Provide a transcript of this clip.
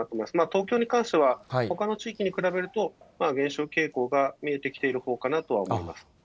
東京に関しては、ほかの地域に比べると、減少傾向が見えてきているほうかなとは思います。